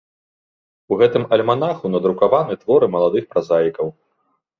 У гэтым альманаху надрукаваны творы маладых празаікаў.